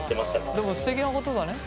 でもすてきなことだね。